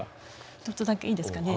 ちょっとだけいいですかね。